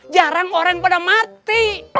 jarang orang pada mati